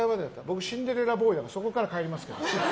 僕、シンデレラボーイだからそこから帰りますから。